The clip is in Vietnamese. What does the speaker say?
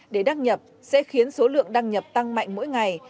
để đăng nhập sẽ khiến số lượng đăng nhập tăng mạnh mỗi ngày